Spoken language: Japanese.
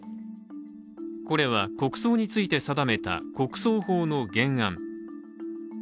これは、国葬について定めた国葬法の原案。